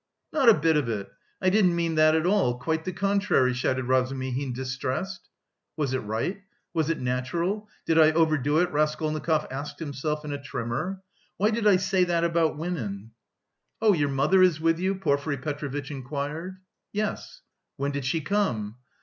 "Not a bit of it! I didn't mean that at all! Quite the contrary!" shouted Razumihin distressed. "Was it right? Was it natural? Did I overdo it?" Raskolnikov asked himself in a tremor. "Why did I say that about women?" "Oh, your mother is with you?" Porfiry Petrovitch inquired. "Yes." "When did she come?"